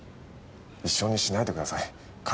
一緒にしないでください彼と。